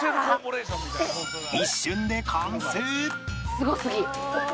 すごすぎ！